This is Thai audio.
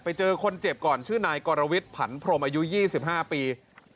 ไปเจอคนเจ็บก่อนชื่อนายกรวรวิสผันพรมอายุยี่สิบห้าปี